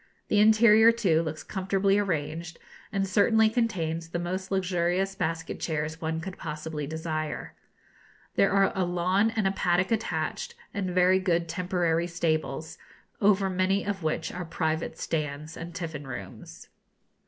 The interior, too, looks comfortably arranged, and certainly contains the most luxurious basket chairs one could possibly desire. There are a lawn and a paddock attached, and very good temporary stables, over many of which are private stands and tiffin rooms.